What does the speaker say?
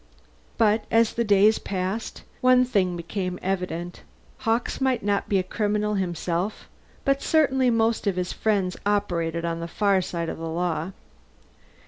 But as the days passed, one thing became evident: Hawkes might not be a criminal himself, but certainly most of his friends operated on the far side of the law.